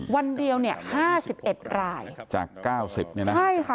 วันเดียวเนี่ย๕๑รายจาก๙๐เนี่ยนะ